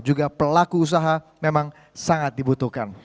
juga pelaku usaha memang sangat dibutuhkan